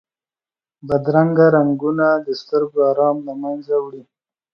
بدرنګه رنګونه د سترګو آرام له منځه وړي